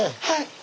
はい。